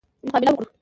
مقابله وکړو.